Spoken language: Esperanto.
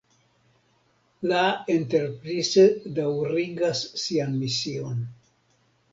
La Enterprise daŭrigas sian mision.